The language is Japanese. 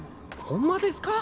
ホンマですか？